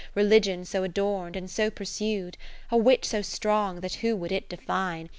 Religion so adorn'd, and so pursued ; A wit so strong, that who would it define.